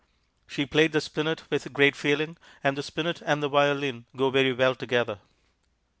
She played the spinet with great feeling, and the spinet and the violin go very well together.